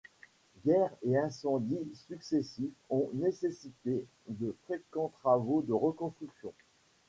Guerres et incendies successifs ont nécessité de fréquents travaux de reconstruction.